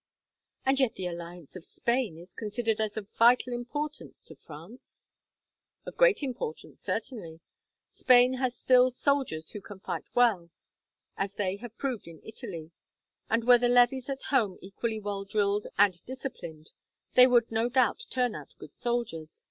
"And yet the alliance of Spain is considered as of vital importance to France!" "Of great importance, certainly. Spain has still soldiers who can fight well, as they have proved in Italy; and were the levies at home equally well drilled and disciplined, they would no doubt turn out good soldiers.